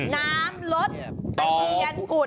น้ำลดตะเคียนกุด